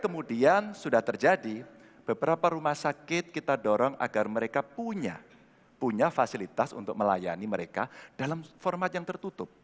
kemudian sudah terjadi beberapa rumah sakit kita dorong agar mereka punya fasilitas untuk melayani mereka dalam format yang tertutup